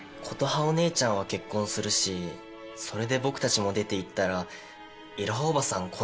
ことはお姉ちゃんは結婚するしそれで僕たちも出て行ったらいろは叔母さん